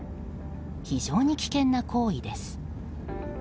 非常に危険な行為です。